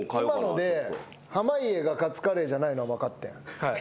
今ので濱家がカツカレーじゃないのは分かってん。